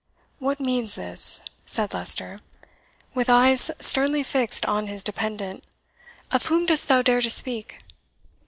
"What means this?" said Leicester, with eyes sternly fixed on his dependant; "of whom dost thou dare to speak?"